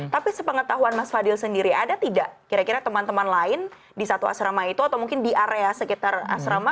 tapi sepengetahuan mas fadil sendiri ada tidak kira kira teman teman lain di satu asrama itu atau mungkin di area sekitar asrama